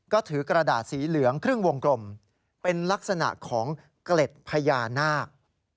ก็ถือกระดาษสีเหลืองครึ่งวงกลมเป็นลักษณะของเกล็ดพญานาค